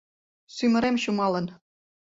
Сӱмырем чумалын.